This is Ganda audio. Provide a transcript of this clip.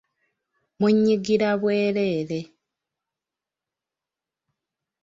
Munyiigira bwereere.